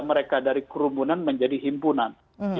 mereka dari kerumunan menjadi himpunan